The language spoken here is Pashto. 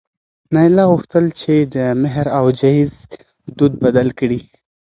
نایله غوښتل چې د مهر او جهیز دود بدل کړي.